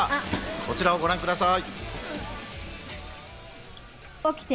こちらをご覧ください。